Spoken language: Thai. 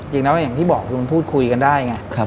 จริงนะว่าอย่างที่บอกคุณพูดคุยกันได้ไง